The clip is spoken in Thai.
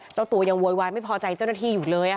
เจ้าตัวยังโวยวายไม่พอใจเจ้าหน้าที่อยู่เลย